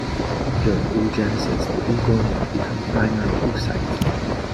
During oogenesis, the oogonia become primary oocytes.